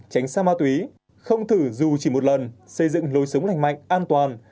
tránh xa ma túy không thử dù chỉ một lần xây dựng lối sống lành mạnh an toàn